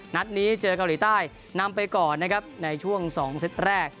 นัดนี้เจอเกาหลีใต้นำไปก่อนนะครับในช่วง๒เซตแรก